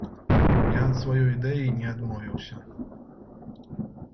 Я ад сваёй ідэі не адмовіўся.